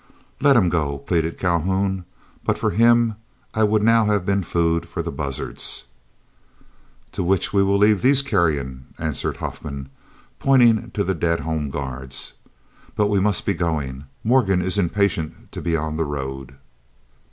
"Let him go," pleaded Calhoun; "but for him I would now have been food for the buzzards." "To which we will leave these carrion," answered Huffman, pointing to the dead Home Guards. "But we must be going; Morgan is impatient to be on the road."